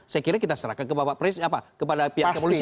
saya kira kita serahkan kepada pihak kepolisian